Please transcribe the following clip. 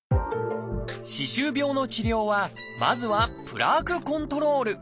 歯周病の治療はまずは「プラークコントロール」。